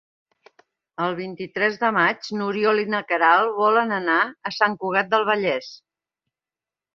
El vint-i-tres de maig n'Oriol i na Queralt volen anar a Sant Cugat del Vallès.